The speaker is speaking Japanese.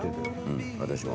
うん私も。